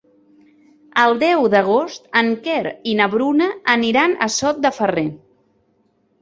El deu d'agost en Quer i na Bruna aniran a Sot de Ferrer.